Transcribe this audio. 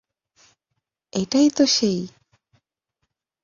এটাই তো সেই!